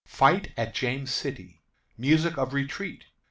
Fight at James City. Music of Retreat.